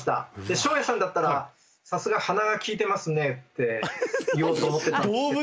照英さんだったら「さすが鼻が利いてますね」って言おうと思ってたんですけど。